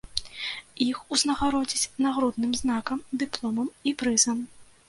Іх узнагародзяць нагрудным знакам, дыпломам і прызам.